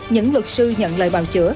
những luật sư nhận lời bào chữa